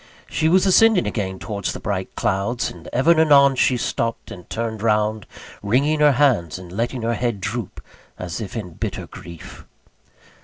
She was ascending again towards the bright clouds, and ever and anon she stopped and turned round, wringing her hands and letting her head droop, as if in bitter grief.